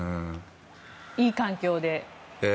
いい環境で。